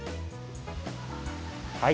はい。